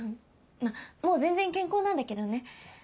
まっもう全然健康なんだけどね。